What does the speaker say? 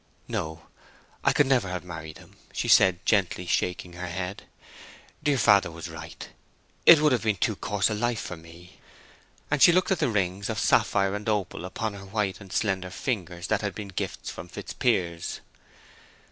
"No—I could never have married him!" she said, gently shaking her head. "Dear father was right. It would have been too coarse a life for me." And she looked at the rings of sapphire and opal upon her white and slender fingers that had been gifts from Fitzpiers.